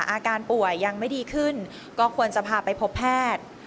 อาการป่วยยังไม่ดีขึ้นก็ควรจะพาไปพบแพทย์